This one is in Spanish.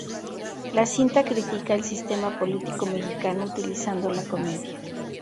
La cinta critica el sistema político mexicano utilizando la comedia.